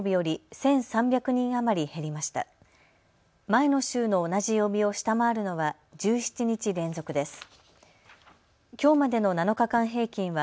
前の週の同じ曜日を下回るのは１７日連続です。